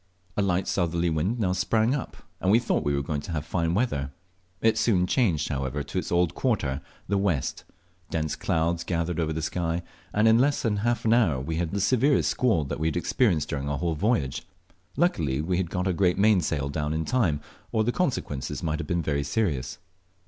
A light southerly wind now sprung up, and we thought we were going to have fine weather. It soon changed, however, to its old quarter, the west; dense clouds gathered over the sky, and in less than half an hour we had the severest squall we had experienced during our whole voyage. Luckily we got our great mainsail down in time, or the consequences might have been serious.